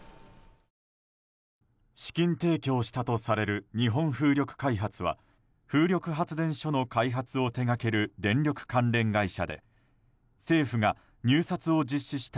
資金提供したとされる日本風力開発は風力発電所の開発を手掛ける電力関連会社で政府が入札を実施した